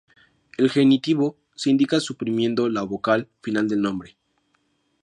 El genitivo se indica suprimiendo la vocal final del nombre.